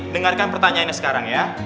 dengarkan pertanyaannya sekarang ya